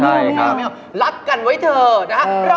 ไม่เอาพรือรับกันไว้เธอนะ